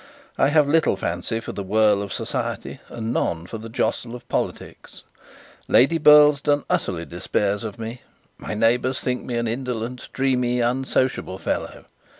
I have little fancy for the whirl of society, and none for the jostle of politics. Lady Burlesdon utterly despairs of me; my neighbours think me an indolent, dreamy, unsociable fellow.